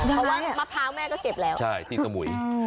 เพราะว่ามะพร้าวแม่ก็เก็บแล้ว